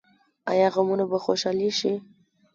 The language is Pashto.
آیا غمونه به خوشحالي شي؟